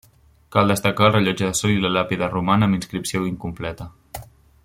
Cal destacar el rellotge de sol i la làpida romana amb inscripció incompleta.